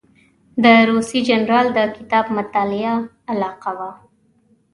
د روسي جنرال د کتاب مطالعه علاقه وه.